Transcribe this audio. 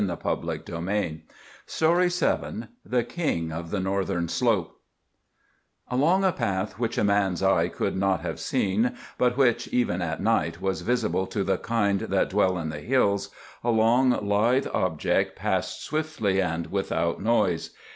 THE KING OF THE NORTHERN SLOPE THE KING OF THE NORTHERN SLOPE ALONG a path which a man's eye could not have seen, but which, even at night, was visible to the kind that dwell in the hills, a long, lithe object passed swiftly and without noise.